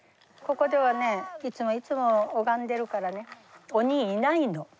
ここではねいつもいつも拝んでるからね鬼いないの。